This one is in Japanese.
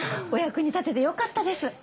お役に立ててよかったです。